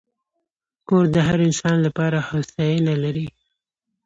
کور د هر انسان لپاره هوساینه لري.